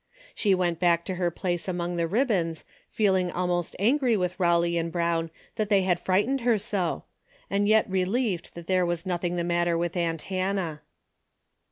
She went back to her place among the ribbons feeling almost angry with Eawley and Brown that they had frightened her so, and yet relieved that there was nothing the matter with aunt Hannah.